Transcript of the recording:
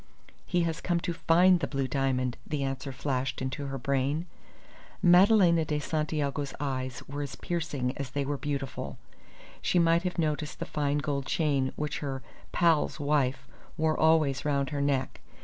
"He has come to find the blue diamond!" the answer flashed into her brain. Madalena de Santiago's eyes were as piercing as they were beautiful. She might have noticed the fine gold chain which her "pal's" wife wore always round her neck.